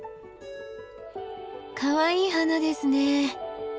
かわいい花ですね。